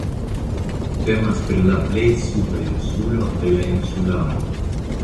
Temas pri la plej suda insulo de la insularo.